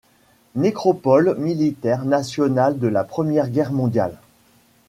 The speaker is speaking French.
Nécropole militaire nationale de la Première Guerre mondiale.